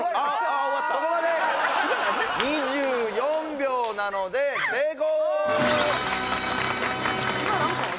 ２４秒なので成功！